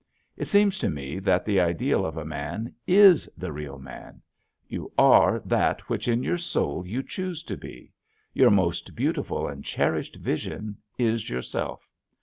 It seems to me that the ideal of a man is the real man. You are that which in your soul you choose to be; your most beautiful and cherished vision is yourself.